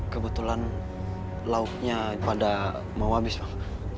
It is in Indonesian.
kebetulan lauknya pada mau habis bang